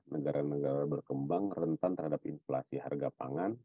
negara negara berkembang rentan terhadap inflasi harga pangan